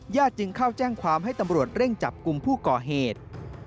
จึงเข้าแจ้งความให้ตำรวจเร่งจับกลุ่มผู้ก่อเหตุ